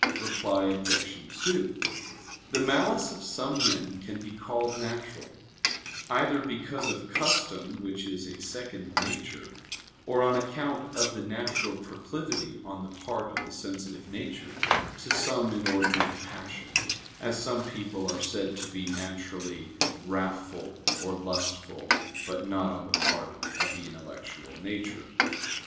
Reply Obj. 2: The malice of some men can be called natural, either because of custom which is a second nature; or on account of the natural proclivity on the part of the sensitive nature to some inordinate passion, as some people are said to be naturally wrathful or lustful; but not on the part of the intellectual nature.